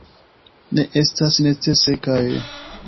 Ne estas necese, kaj.